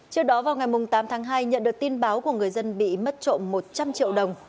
trước đó vào ngày tám tháng hai nhận được tin báo của người dân bị mất trộm một trăm linh triệu đồng